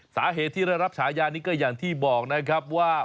สาเหตุที่ได้รับฉายานี้ก็อย่างที่บอกนะครับว่า